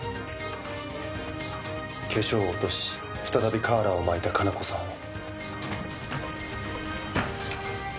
化粧を落とし再びカーラーを巻いた加奈子さんを。